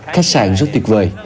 khách sạn rất tuyệt vời